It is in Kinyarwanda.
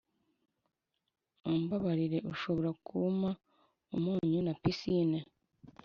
mumbabarire, ushobora kumpa umunyu na pisine?